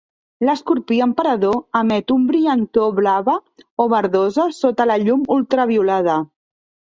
L'escorpí emperador emet un brillantor blava o verdosa sota la llum ultraviolada.